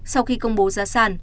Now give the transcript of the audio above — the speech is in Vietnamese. sau khi công bố giá sàn